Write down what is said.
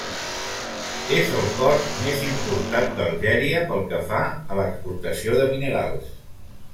És el port més important d'Algèria pel que fa a l'exportació de minerals.